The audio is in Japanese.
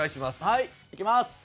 はいいきます。